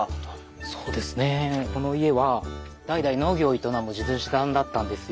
そうですねこの家は代々農業を営む地主さんだったんですよ。